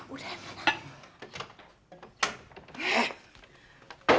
udah ibu tenang